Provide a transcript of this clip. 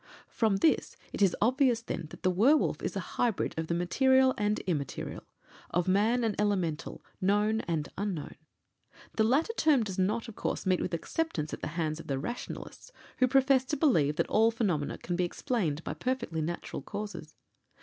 From this it is obvious, then, that the werwolf is a hybrid of the material and immaterial of man and Elemental, known and Unknown. The latter term does not, of course, meet with acceptance at the hands of the Rationalists, who profess to believe that all phenomena can be explained by perfectly natural causes.